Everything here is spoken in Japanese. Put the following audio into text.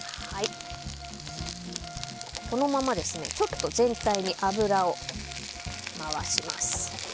このままちょっと全体に油を回します。